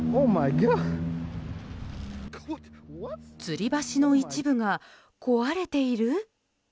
つり橋の一部が壊れている？